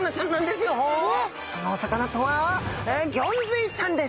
そのお魚とはギョンズイちゃんです！